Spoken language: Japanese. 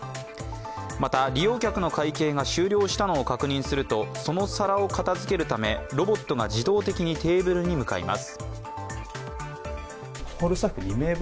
また、利用客の会計が終了したのを確認すると、その皿を片づけるため、ロボットが自動的にテーブルに向かいます。